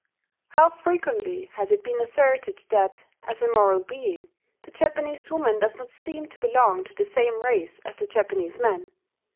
How frequently has it been asserted that, as a moral being, the Japanese woman does not seem to belong to the same race as the Japanese man!